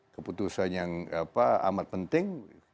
keputusan yang amat penting